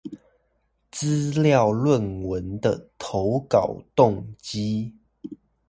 資料論文的投稿動機